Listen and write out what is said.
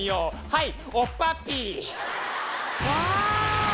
はい。